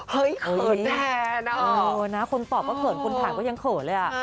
เฮ้ยเขินแทนอ่ะโอ๊ยนะคนตอบว่าเขินคนถามก็ยังเขินเลยอ่ะ